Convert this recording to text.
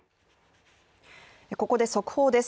ここで速報です。